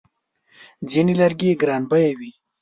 ځینې لرګي ګرانبیه وي.